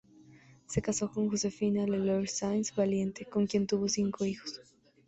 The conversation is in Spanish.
Se casó con Josefina Leloir Sáenz Valiente, con quien tuvo cinco hijos.